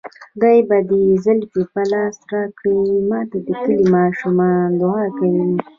خدای به دې زلفې په لاس راکړي ماته د کلي ماشومان دوعا کوينه